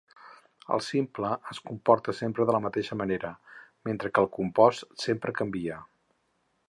El simple es comporta sempre de la mateixa manera, mentre que el compost sempre canvia.